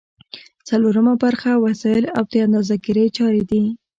څلورمه برخه وسایل او د اندازه ګیری چارې دي.